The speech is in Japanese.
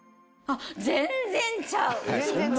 全然ちゃう？